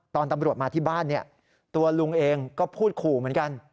ตอนตำรวจมาที่บ้านตัวลุงเองก็พูดขู่เหมือนกัน